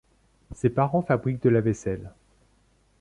Ses parents fabriquent de la vaisselle.